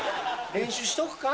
練習しとくか？